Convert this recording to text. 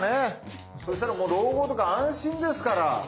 そうしたらもう老後とか安心ですから。